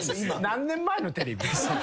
何年前のテレビ。